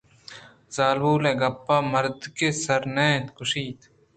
زالبول ءِ گپاں مردکے سر سُرینت ءُگوٛشت